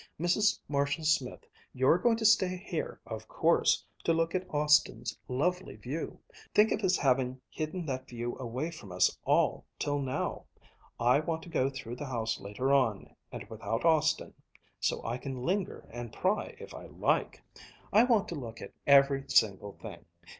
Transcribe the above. "Mrs. Marshall Smith, you're going to stay here, of course, to look at Austin's lovely view! Think of his having hidden that view away from us all till now! I want to go through the house later on, and without Austin, so I can linger and pry if I like! I want to look at every single thing.